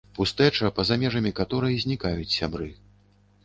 Пустэча, паза межамі каторай знікаюць сябры.